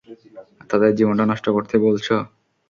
তাদের জীবনটা নষ্ট করতে বলছো?